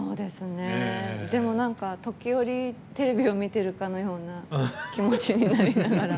でも、時折テレビを見ているかのような気持ちになりながら。